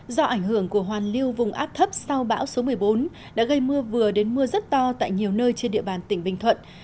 do ảnh hưởng của hoàn lưu vùng áp thấp sau bão số một mươi bốn đã gây mưa vừa đến mưa rất to tại nhiều nơi trên địa bàn tỉnh bình thuận